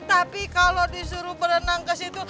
tapi kalau disuruh berenang kesitu